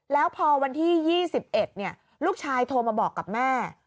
แล้วพอวันที่๒๑ลูกชายโทรมาบอกกับแม่